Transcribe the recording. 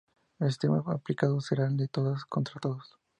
El sistema aplicado será el de todos contra todos.